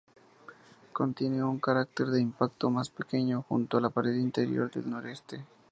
Contiene un cráter de impacto más pequeño, junto a la pared interior del noroeste.